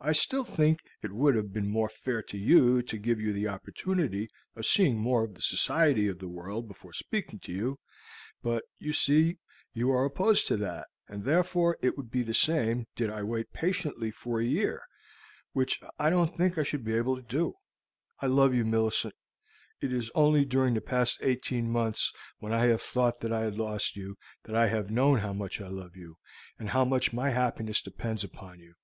I still think that it would have been more fair to you to give you the opportunity of seeing more of the society of the world before speaking to you, but you see you are opposed to that, and therefore it would be the same did I wait patiently another year, which I don't think I should be able to do. I love you, Millicent. It is only during the past eighteen months, when I have thought that I had lost you, that I have known how much I love you, and how much my happiness depends upon you.